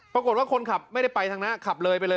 ปรากฏว่าคนขับไม่ได้ไปทางหน้าขับเลยไปเลย